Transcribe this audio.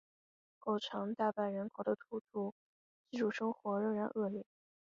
构成大半人口的土着居住生活仍然恶劣。